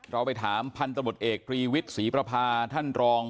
เราไปถามพันธบทเอกตรีวิทย์ศรีประพาท่านรอง